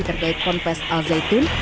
terkait pompest al zaitun